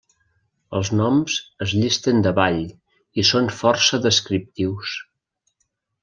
Els noms es llisten davall i són força descriptius.